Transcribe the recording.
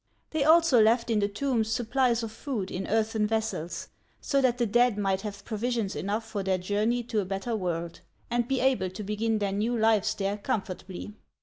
They also left in the tombs supplies of food in earthen vessels, so that the dead might have provisions enough for their journey to a better world, and be able to begin their new lives there comfortably.